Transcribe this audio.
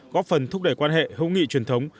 góp phần thúc đẩy quan hệ hữu nghị truyền thống